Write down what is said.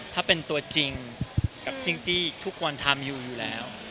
ถ้าเป็นตัวจริงกับสิ่งที่ทุกวันทำอยู่อยู่แล้ว